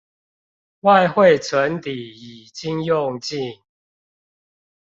外匯存底已經用盡